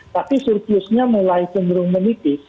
tapi surplusnya mulai cenderung menipis